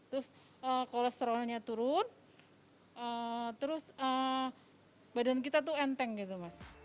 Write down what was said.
terus kolesterolnya turun terus badan kita tuh enteng gitu mas